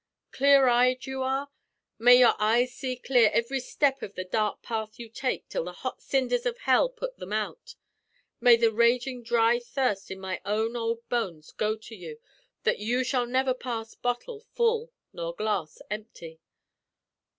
Clear eyed you are? May your eyes see clear ivry step av the dark path you take till the hot cinders av hell put thim out! May the ragin' dry thirst in my own ould bones go to you, that you shall never pass bottle full nor glass empty!